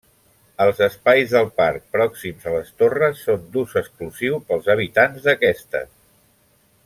Els espais del parc pròxims a les torres són d'ús exclusiu pels habitants d'aquestes.